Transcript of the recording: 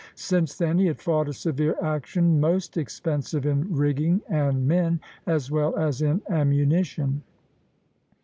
Since then he had fought a severe action, most expensive in rigging and men, as well as in ammunition.